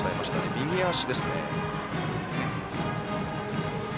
右足ですね。